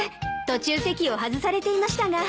途中席を外されていましたが。